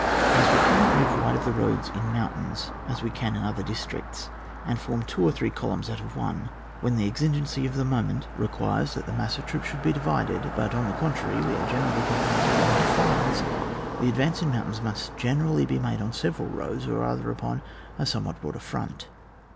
1 . As we cannot move wide of the roads in mountains as we can in other districts, and form two or three columns out of one, when the exigency of the moment re 14 ON WAR. [book vn. quires that tlie mass of the troops should be divided ; but, on the contrary, we are generally confined to long defiles; the advance in mountains must generally be made on several roads, or rather upon a somewhat broader front.